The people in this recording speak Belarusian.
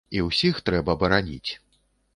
І ўсіх трэба бараніць.